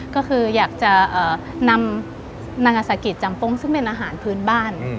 ก็คืออยากจะนำนางอาสากิจจำปงซึ่งเป็นอาหารพื้นบ้าน